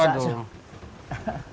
ini sudah terlihat